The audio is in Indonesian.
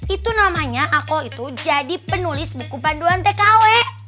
itu namanya aku itu jadi penulis buku panduan tkw